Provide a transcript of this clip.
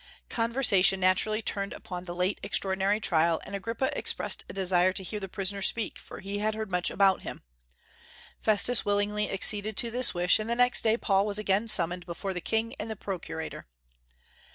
Conversation naturally turned upon the late extraordinary trial, and Agrippa expressed a desire to hear the prisoner speak, for he had heard much about him. Festus willingly acceded to this wish, and the next day Paul was again summoned before the king and the procurator.